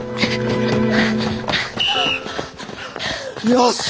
よし！